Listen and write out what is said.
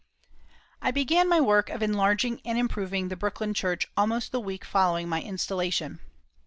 I began my work of enlarging and improving the Brooklyn Church almost the week following my installation.